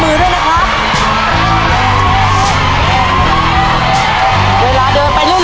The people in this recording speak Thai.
ป้าระวังมือด้วยนะครับ